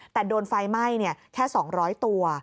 แต่โดนไฟไหม้แค่๒๐๐ตัว